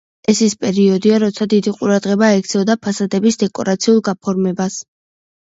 ეს ის პერიოდია, როცა დიდი ყურადღება ექცეოდა ფასადების დეკორაციულ გაფორმებას.